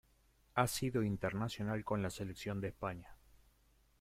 Ha sido internacional con la Selección de España.